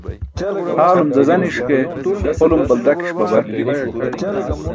Haalum zazaniṣ ke holum baldakiṣ babar.